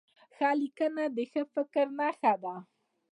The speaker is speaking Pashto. ښه لیکنه د ښه فکر نښه ده.